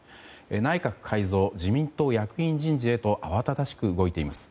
内閣改造、自民党役員人事へと慌ただしく動いています。